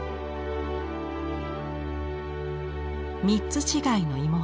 ３つ違いの妹。